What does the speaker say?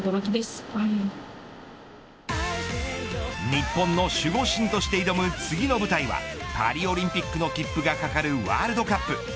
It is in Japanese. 日本の守護神として挑む次の舞台はパリオリンピックの切符が懸かるワールドカップ。